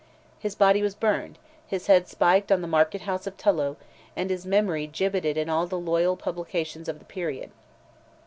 His body was burned, his head spiked on the market house of Tullow, and his memory gibbeted in all the loyal publications of the period.